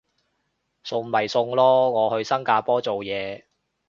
送咪送咯，我去新加坡做嘢